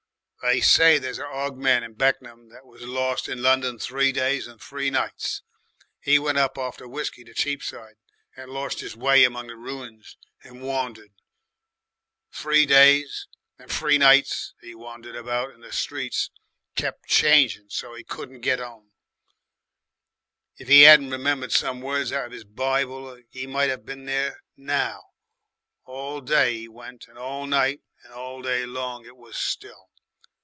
"They say there's a 'og man in Beck'n'am what was lost in London three days and three nights. 'E went up after whiskey to Cheapside, and lorst 'is way among the ruins and wandered. Three days and three nights 'e wandered about and the streets kep' changing so's he couldn't get 'ome. If 'e 'adn't remembered some words out of the Bible 'e might 'ave been there now. All day 'e went and all night and all day long it was still.